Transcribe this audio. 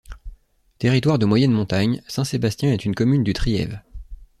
Territoire de moyenne montagne, Saint-Sébastien est une commune du Trièves.